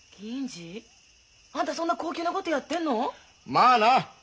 まあな！